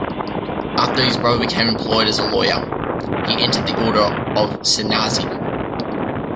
After his brother became employed as a lawyer, he entered the order of Sannyasi.